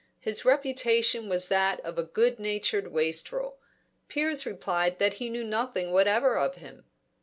His reputation was that of a good natured wastrel. Piers replied that he knew nothing whatever of him.